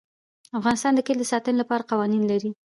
افغانستان د کلي د ساتنې لپاره قوانین لري.